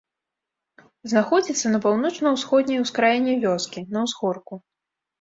Знаходзіцца на паўночна-ўсходняй ускраіне вёскі, на ўзгорку.